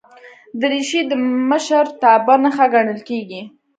دریشي د مشرتابه نښه ګڼل کېږي.